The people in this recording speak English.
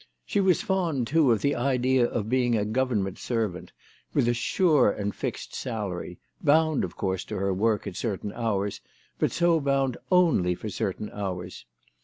She was fond too of the idea of being a government servant, with a sure and fixed salary, bound of course to her work at cer tain hours, but so bound only for certain hours.